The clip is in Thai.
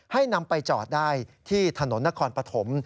ให้นำไปจอดได้ที่ถนนนครปฐม